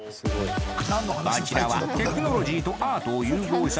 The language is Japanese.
こちらはテクノロジーとアートを融合させる